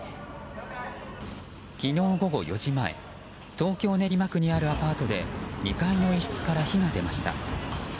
昨日午後４時前東京・練馬区にあるアパートで２階の一室から火が出ました。